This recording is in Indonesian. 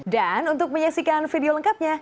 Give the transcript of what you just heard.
dan untuk menyaksikan video lengkapnya